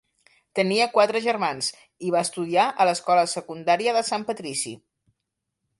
Tenia quatre germans i va estudiar a l'escola secundària de Sant Patrici.